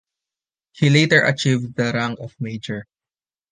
He later achieved the rank of Major.